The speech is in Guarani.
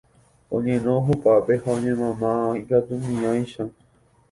Oñeno hupápe ha oñemama ikatumiháicha